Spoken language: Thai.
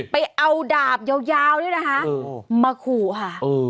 ไปเอาดาบยาวยาวด้วยนะคะมาขู่ค่ะ